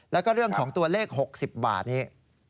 แล้วก็เรื่องของตัวเลข๖๐บาทนี้